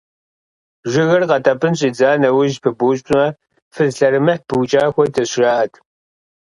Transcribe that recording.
Жыгыр къэтӀэпӀын щӀидза нэужь пыбупщӀмэ, фыз лъэрымыхь быукӀа хуэдэщ, жаӀэт.